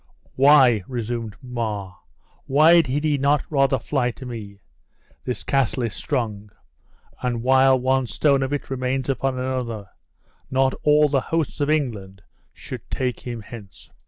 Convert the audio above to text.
"Why," resumed Mar, "why did he not rather fly to me? This castle is strong; and while one stone of it remains upon another, not all the hosts of England should take him hence."